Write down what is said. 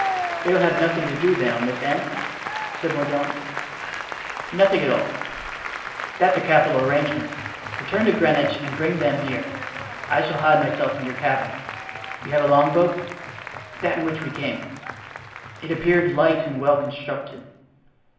"They will have nothing to do, then at this end?" said Mordaunt. "Nothing at all." "That's a capital arrangement. Return to Greenwich and bring them here. I shall hide myself in your cabin. You have a longboat?" "That in which we came." "It appeared light and well constructed."